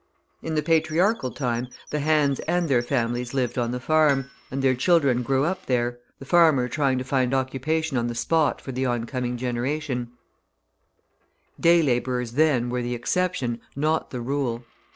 In the patriarchal time, the hands and their families lived on the farm, and their children grew up there, the farmer trying to find occupation on the spot for the oncoming generation; day labourers, then, were the exception, not the rule.